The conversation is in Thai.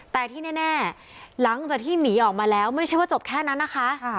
แต่ที่แน่หลังจากที่หนีออกมาแล้วไม่ใช่ว่าจบแค่นั้นนะคะ